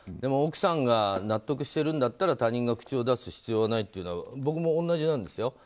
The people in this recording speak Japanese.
奥さんが納得してるんだったら他人が口を出す必要はないというのは僕も同じなんですよ。